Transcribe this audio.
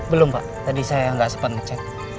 belum pak tadi saya nggak sempat ngecek